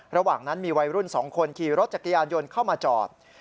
ระหว่างนั้นมีวัยรุ่น๒คนขี่รถจักรยานยนต์เข้ามาจอด